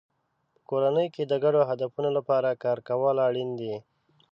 په کورنۍ کې د ګډو هدفونو لپاره کار کول اړین دی.